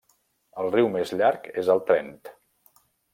El riu més llarg és el Trent.